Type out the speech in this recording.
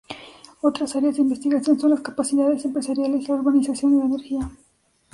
Otras áreas de investigación son las capacidades empresariales, la urbanización y la energía.